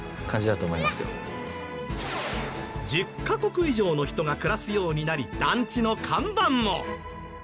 １０カ国以上の人が暮らすようになり団地の看板も。